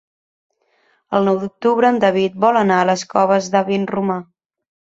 El nou d'octubre en David vol anar a les Coves de Vinromà.